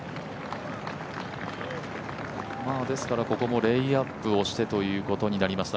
ここもレイアップをしてということになりました。